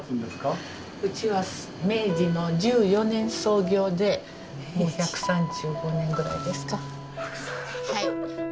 うちは明治の１４年創業でもう１３５年ぐらいですか。